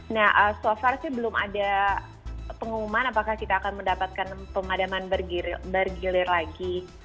nah so far sih belum ada pengumuman apakah kita akan mendapatkan pemadaman bergilir lagi